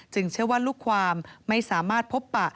เชื่อว่าลูกความไม่สามารถพบปะ